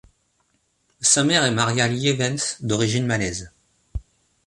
Sa mère est Maria Lievens, d'origine malaise.